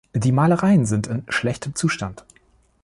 Die Malereien sind in schlechtem Zustand.